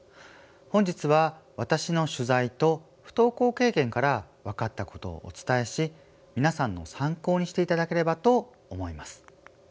本日は私の取材と不登校経験から分かったことをお伝えし皆さんの参考にしていただければと思います。